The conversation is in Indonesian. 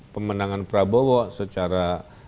pemenangan prabowo secara